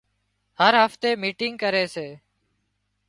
هر هفتي ميٽنگ ڪري سي